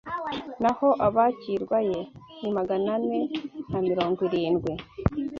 naho abakirwaye ni magana ne na mirongo irindwi